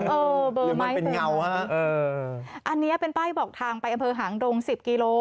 เออเบอมไหมเปล่าแล้วอันนี้เป็นป้ายบอกทางไปอำเภอหางดง๑๐กิโล